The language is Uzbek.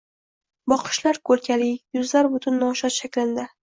Boqishlar koʻlkali, yuzlar butun noshod shaklinda